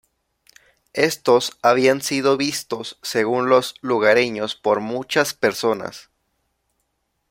Estos habían sido vistos, según los lugareños, por muchas personas.